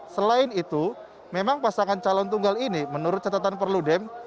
selain itu memang pasangan calon tunggal ini menurut catatan perludem